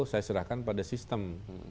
saya serahkan pada sistem